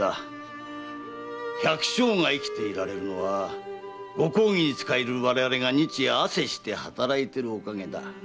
百姓が生きていられるのは御公儀に仕える我々が日夜汗して働いているおかげだ。